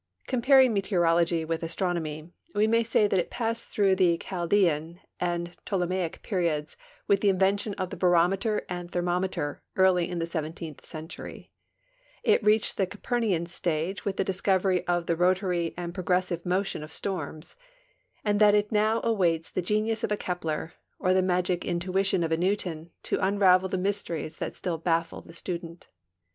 Comparing meteorology with astronomy, we may say tliat it passed through the Chaldaan and Ptolemaic periods with tlie invention of the barometer and thermometer early in the 17th century ; that it reached the Copernican stage with the discovery of the rotary and progressive motion of storms, and that it now awaits the genius of a Kepler or the magic intuition of a Newton to unravel the mysteries that still baffle the student.